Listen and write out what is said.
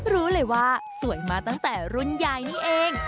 รู้เลยว่าสวยมาตั้งแต่รุ่นยายนี่เอง